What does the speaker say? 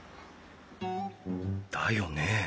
だよね。